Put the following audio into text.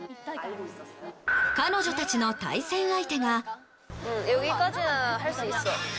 彼女たちの対戦相手が。